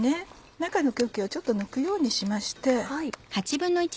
中の空気をちょっと抜くようにしまして。